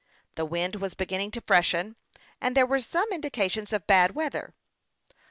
The wind was beginning to freshen, and there were indications of bad weather.